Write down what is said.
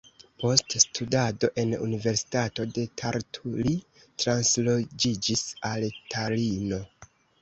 Post studado en Universitato de Tartu li transloĝiĝis al Talino.